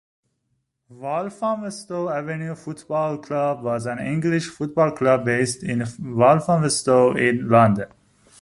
Walthamstow Avenue Football Club was an English football club based in Walthamstow in London.